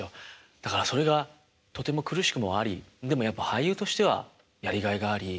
だからそれがとても苦しくもありでもやっぱ俳優としてはやりがいがあり